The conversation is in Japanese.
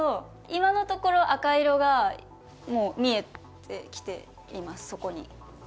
今のところ赤色がもう、見えてきてます、そこに。